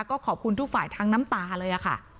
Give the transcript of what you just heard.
ก็ขอบคุณทุกฝ่ายทั้งน้ำตาเลยค่ะ